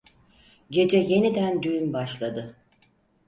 Gece yeniden düğün başladı.